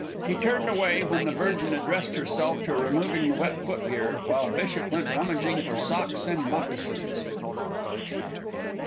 He turned away when the Virgin addressed herself to removing the wet footgear, while Bishop went rummaging for socks and moccasins.